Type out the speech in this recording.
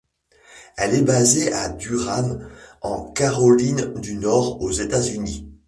Elle est basée à Durham en Caroline du Nord aux États-Unis.